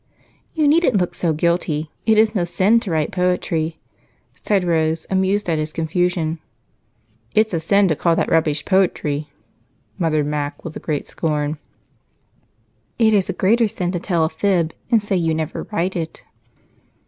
"You needn't look so guilty; it is no sin to write poetry," said Rose, amused at his confession. "It's a sin to call that rubbish poetry," muttered Mac with great scorn. "It is a greater sin to tell a fib and say you never write it."